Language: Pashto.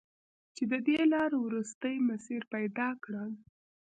چې د دې لارو، وروستی مسیر پیدا کړم